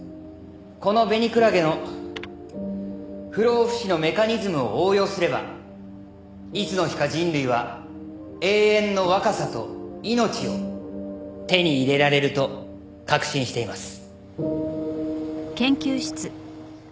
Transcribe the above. このベニクラゲの不老不死のメカニズムを応用すればいつの日か人類は永遠の若さと命を手に入れられると確信しています。